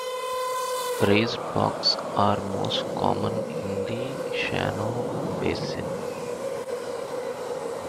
Raised bogs are most common in the Shannon basin.